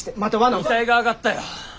遺体があがったよ。